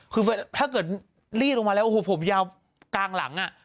คือถ้าเกิดรีบลงมาแล้วยาวกลางหลัง